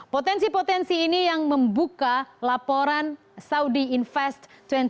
potensi potensi ini yang membuka laporan saudi invest dua ribu dua puluh